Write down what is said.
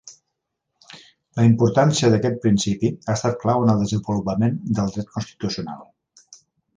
La importància d'aquest principi ha estat clau en el desenvolupament del Dret constitucional.